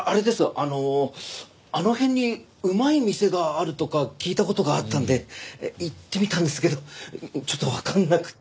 あのあの辺にうまい店があるとか聞いた事があったんで行ってみたんですけどちょっとわかんなくて。